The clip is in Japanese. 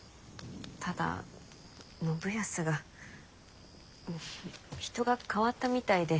ただ信康が人が変わったみたいで。